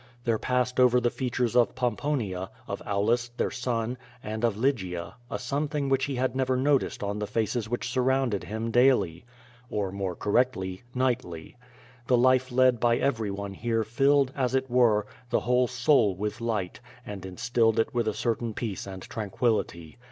There passed over the features of Pomponia, of Aulus, their son, and of Lygia a something which he had never noticed on the faces which surrounded him daily, or more correctly — ^nightly. The life led by every one here filled, as it were, the whole soul with light, and instilled it with a certain peace and tranquillity.